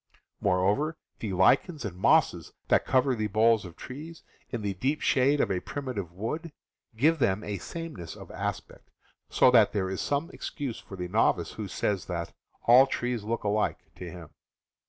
Moreover, the lichens and mosses that cover the boles of trees, in the deep shade of a primitive wood, give them a sameness of aspect, so that there is some excuse for the novice who says that "all trees look alike " to him.